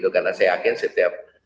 karena saya yakin setiap